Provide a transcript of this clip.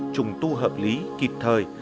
trùng tu hợp lý kịp thời